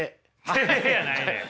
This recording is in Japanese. てへへやないねん。